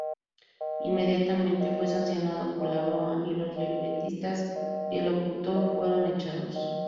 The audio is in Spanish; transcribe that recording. Inmediatamente fue sancionado por la broma, y los libretistas y el locutor fueron echados.